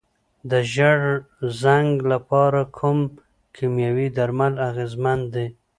د ژیړ زنګ لپاره کوم کیمیاوي درمل اغیزمن دي؟